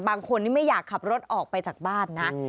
บางคนนี้ไม่อยากขับรถออกไปจากบ้านนะ